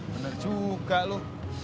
bener juga lu